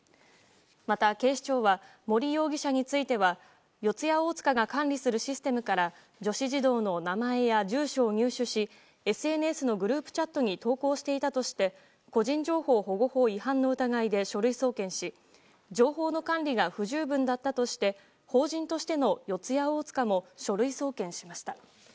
また警視庁は森容疑者については四谷大塚が管理するシステムから女子児童の名前や住所を入手しＳＮＳのグループチャットに投稿していたとして個人情報保護法違反の疑いで書類送検し情報の管理が不十分だったとし法人としての四谷大塚も書類送検しました。